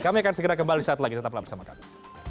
kami akan segera kembali setelah ini tetaplah bersama kami